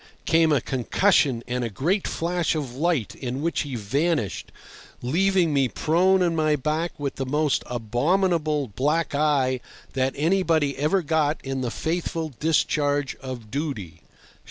came a concussion and a great flash of light in which he vanished, leaving me prone on my back with the most abominable black eye that anybody ever got in the faithful discharge of duty.